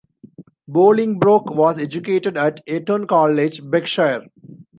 Bolingbroke was educated at Eton College, Berkshire.